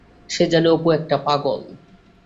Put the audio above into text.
সে জানে, অপু একটা পাগল!